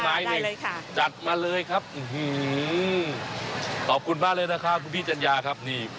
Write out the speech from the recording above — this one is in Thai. เลยค่ะจัดมาเลยครับขอบคุณมากเลยนะครับคุณพี่จัญญาครับนี่